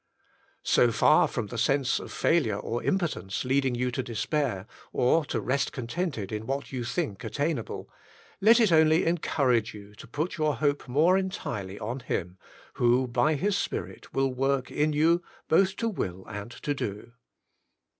So far from the sense of failure or impotence leading you to despair, or to rest contented in what you think attainable, let it only encourage you to put your hope more entirely on Him, who 6o The Inner Chamber by His Spirit will work in you both to will and to do.